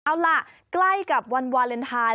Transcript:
เอาล่ะใกล้กับวันวาเลนไทย